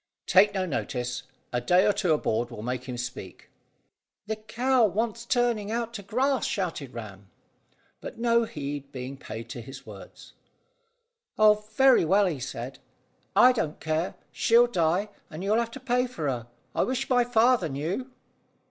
"Take no notice. A day or two aboard will make him speak." "The cow wants turning out to grass," shouted Ram; but no heed being paid to his words, "Oh, very well," he said, "I don't care. She'll die, and you'll have to pay for her. I wish my father knew."